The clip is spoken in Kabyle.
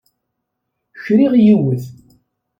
Kriɣ yiwet.